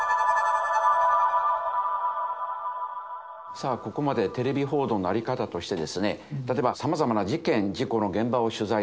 さあここまでテレビ報道のあり方としてですね例えばさまざまな事件事故の現場を取材する。